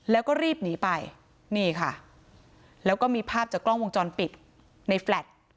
แล้วก็รีบหนีไปนี่ค่ะแล้วก็มีภาพจากกล้องวงจรปิดในแฟลต